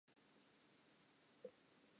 Papadi ya bolo e ile ya bapallwa hokae?